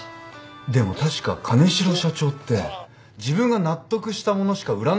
でも確か金城社長って自分が納得した物しか売らないってことで有名ですよね。